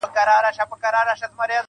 دا ستا په ياد كي بابولاله وايم.